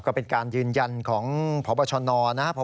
ก็เป็นการยืนยันของพบชนนะครับ